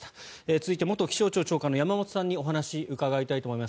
続いて元気象庁長官の山本さんにお話し伺いたいと思います。